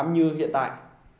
như hiện tại